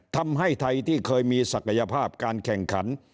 ทำให้ไทยที่เคยมีศักยภาพการแข่งขัน